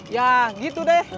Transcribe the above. ya gitu deh